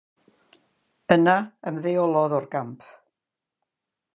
Yna, ymddeolodd o'r gamp.